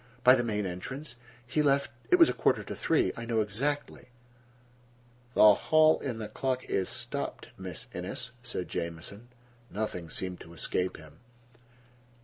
"By the main entrance. He left—it was a quarter to three. I know exactly." "The clock in the hall is stopped, Miss Innes," said Jamieson. Nothing seemed to escape him.